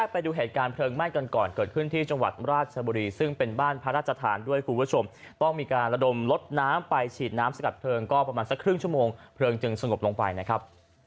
ไปดูเหตุการณ์เพลิงไหม้กันก่อนเกิดขึ้นที่จังหวัดราชบุรีซึ่งเป็นบ้านพระราชทานด้วยคุณผู้ชมต้องมีการระดมลดน้ำไปฉีดน้ำสกัดเพลิงก็ประมาณสักครึ่งชั่วโมงเพลิงจึงสงบลงไปนะครับ